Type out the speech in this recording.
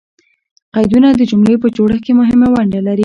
قیدونه د جملې په جوړښت کښي مهمه ونډه لري.